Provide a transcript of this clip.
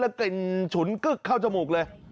กลิ่นฉุนกึ๊กเข้าจมูกเลย